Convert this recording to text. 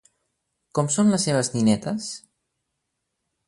Com són les seves ninetes?